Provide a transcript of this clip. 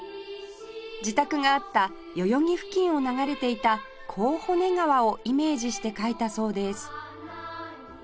自宅があった代々木付近を流れていた河骨川をイメージして書いたそうです